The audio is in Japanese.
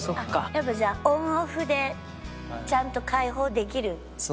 やっぱじゃあオンオフでちゃんと解放できる方なんですね。